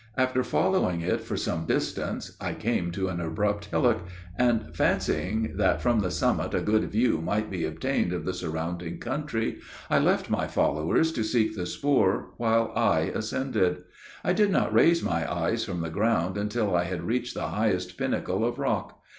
After following it for some distance I came to an abrupt hillock, and fancying that from the summit a good view might be obtained of the surrounding country, I left my followers to seek the spoor, while I ascended. I did not raise my eyes from the ground until I had reached the highest pinnacle of rock.